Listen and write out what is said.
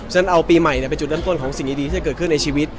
ฉะเอาปีใหม่เป็นจุดเริ่มต้นของสิ่งดีที่จะเกิดขึ้นในชีวิต